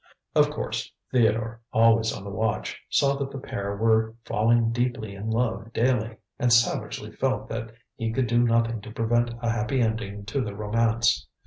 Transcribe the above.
Of course, Theodore, always on the watch, saw that the pair were falling deeper in love daily, and savagely felt that he could do nothing to prevent a happy ending to the romance.